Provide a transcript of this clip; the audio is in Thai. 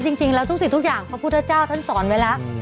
จริงแล้วทุกสิ่งทุกอย่างพระพุทธเจ้าท่านสอนไว้แล้ว